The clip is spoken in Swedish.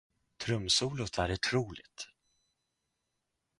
Trumsolot är otroligt.